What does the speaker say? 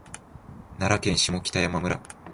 奈良県下北山村